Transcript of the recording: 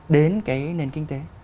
đến cái nền kinh tế